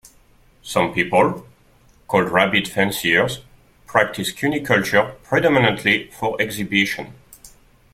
Some people, called "rabbit fanciers", practice cuniculture predominantly for exhibition.